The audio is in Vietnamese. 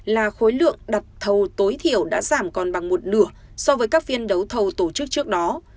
là khối lượng đặt thầu tối thiểu đã giảm còn bằng một nửa so với các phiên đấu thầu tổ chức trước đó